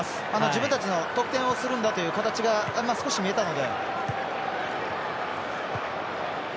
自分たちの得点をするんだという形が少し見えたので。